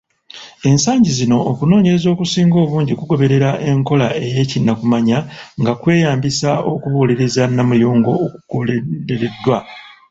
Ensangi zino, okunoonyereza okusinga obungi kugobererea enkola y’ekinnakumanya nga kweyambisa okubuuliriza namuyungo okugereddwa.